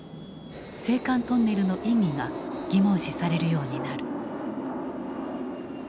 青函トンネルの意義が疑問視されるようになる。